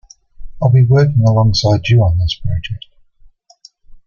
I will be working alongside you on this project.